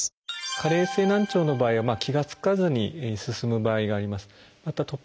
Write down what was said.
加齢性難聴の場合は気が付かずに進む場合があります。